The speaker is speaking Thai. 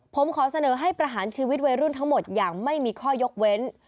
ผมขอเสนอให้ประหารชีวิตวัยรุ่นทั้งหมดอย่างไม่มีข้อยกเว้น